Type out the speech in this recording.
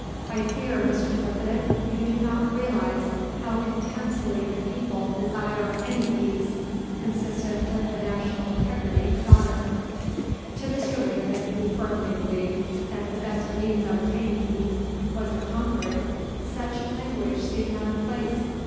I fear, Mr. President, you do not realise how intensely the people desire any peace, consistent with the national integrity and honour." To Mr. Lincoln, who firmly believed that the best means of attaining peace was to conquer it, such language seemed out of place.